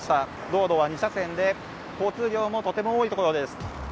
道路は２車線で、交通量もとても多いところです。